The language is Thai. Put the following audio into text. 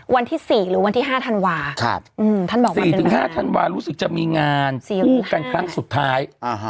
วันที่๔หรือวันที่๕ธันวาท่านบอก๔๕ธันวารู้สึกจะมีงานคู่กันครั้งสุดท้าย